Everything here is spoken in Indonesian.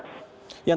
yang tadi anda beritahu